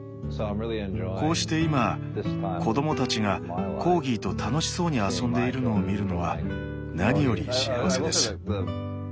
こうして今子供たちがコーギーと楽しそうに遊んでいるのを見るのは何より幸せです。